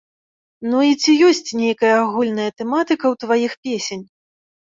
Ну і ці ёсць нейкая агульная тэматыка ў тваіх песень?